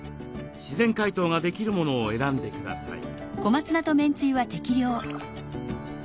自然解凍ができるものを選んでください。